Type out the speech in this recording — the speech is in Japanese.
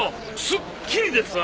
すっきりですわ。